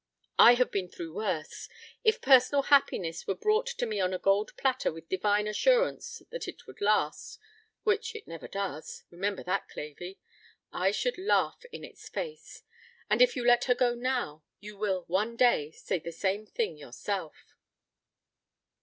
I have been through worse. If personal happiness were brought to me on a gold platter with Divine assurance that it would last which it never does remember that, Clavey I should laugh in its face. And if you let her go now you will one day say the same thing yourself."